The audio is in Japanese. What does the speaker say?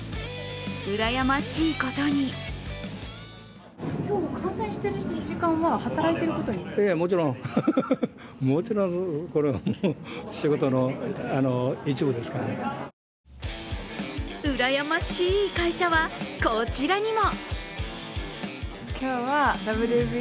羨ましいことにうらやましーい会社は、こちらにも。